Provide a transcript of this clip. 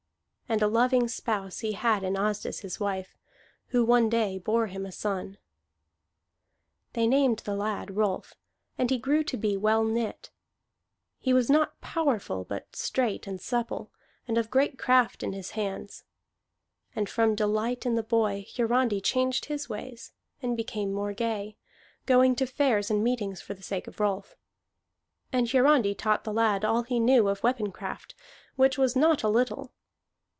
And a loving spouse he had in Asdis, his wife, who one day bore him a son. They named the lad Rolf, and he grew to be well knit; he was not powerful, but straight and supple, and of great craft in his hands. And from delight in the boy Hiarandi changed his ways, and became more gay, going to fairs and meetings for the sake of Rolf. And Hiarandi taught the lad all he knew of weapon craft, which was not a little.